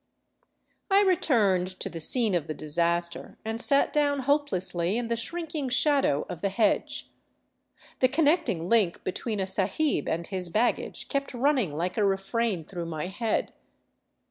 I returned to the scene of the disaster and sat down hopelessly in the shrinking shadow of the hedge. The connecting link between a sahib and his baggage kept running like a refrain through my head.